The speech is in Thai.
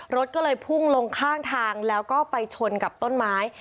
รถก็เลยพุ่งลงข้างทางแล้วก็ไปชนกับต้นไม้